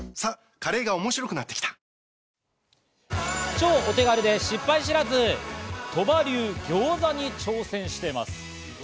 超お手軽で失敗知らず鳥羽流ギョーザに挑戦しています。